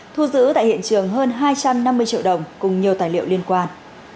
thu giữ tại hiện trường hơn hai trăm năm mươi triệu đồng cùng nhiều tài liệu liên quan